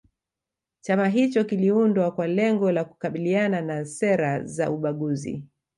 chama hicho kiliundwa kwa lengo la kukabiliana na sera za ubaguzi